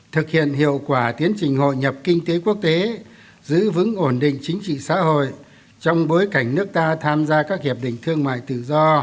thực hiện hiệu quả tiến trình hội nhập kinh tế quốc tế giữ vững ổn định chính trị xã hội trong bối cảnh nước ta tham gia các hiệp định thương mại tự do